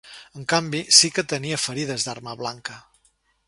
En canvi, sí que tenia ferides d’arma blanca.